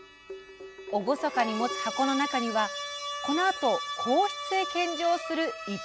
厳かに持つ箱の中にはこのあと皇室へ献上する逸品が入っています。